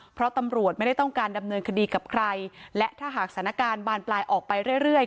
เพราะตำรวจไม่ได้ต้องการดำเนินคดีกับใครและถ้าหากสถานการณ์บานปลายออกไปเรื่อย